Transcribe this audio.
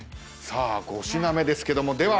さあ５品目ですけどもでは。